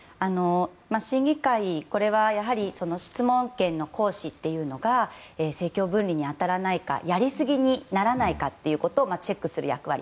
審議会はやはり質問権の行使というのが政教分離に当たらないかやりすぎにならないかをチェックする役割。